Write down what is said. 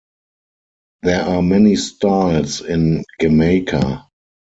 There are many styles in gamaka.